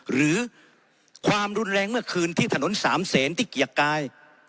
หรือความรุนแรงเมื่อคืนที่ถนนสามเศษที่เกียรติกาย